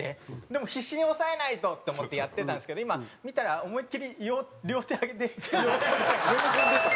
でも必死に抑えないとって思ってやってたんですけど今見たら思いっきり両手上げて喜んでた。